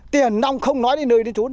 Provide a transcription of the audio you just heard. tiền nông không nói đến nơi đến chốn